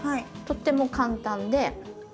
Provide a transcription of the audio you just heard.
とっても簡単で。